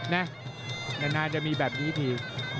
นานจะมีแบบนี้ที